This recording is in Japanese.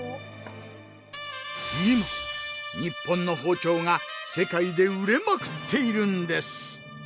今日本の包丁が世界で売れまくっているんです。